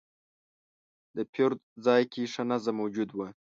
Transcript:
د پیرود ځای کې ښه نظم موجود و.